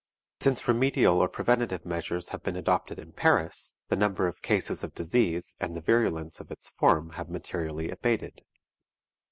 Since remedial or preventive measures have been adopted in Paris the number of cases of disease and the virulence of its form have materially abated.